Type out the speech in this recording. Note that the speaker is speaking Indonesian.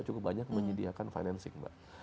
cukup banyak menyediakan financing mbak